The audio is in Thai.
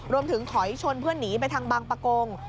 ถึงถอยชนเพื่อนหนีไปทางบางประกง